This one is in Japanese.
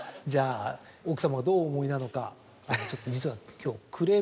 じゃあ奥様はどうお思いなのかちょっと実は今日。